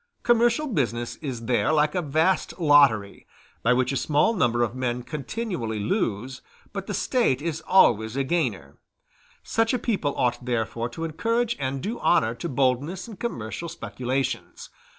Commercial business is there like a vast lottery, by which a small number of men continually lose, but the State is always a gainer; such a people ought therefore to encourage and do honor to boldness in commercial speculations.